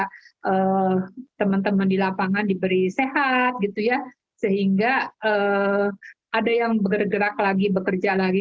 karena teman teman di lapangan diberi sehat gitu ya sehingga ada yang bergerak lagi bekerja lagi